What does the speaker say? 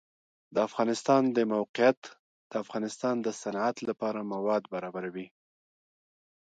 د افغانستان د موقعیت د افغانستان د صنعت لپاره مواد برابروي.